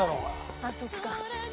あっそっか。